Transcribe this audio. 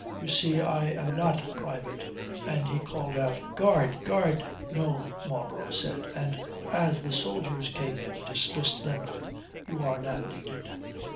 "You see, I am not private," and he called out: "Guard, guard." "No," Marlborough said, and, as the soldiers came in, dismissed them with "You are not needed."